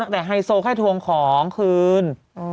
แต่ไฮโซแค่ทวงของคืน